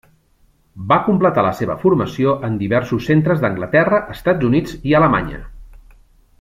Va completar la seva formació en diversos centres d'Anglaterra, Estats Units i Alemanya.